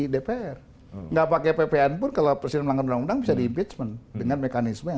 dpr nggak pakai pphn pun kalau presiden melanggar undang undang bisa di impeach dengan mekanisme yang